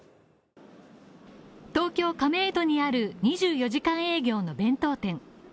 東京亀戸にある２４時間営業の弁当店。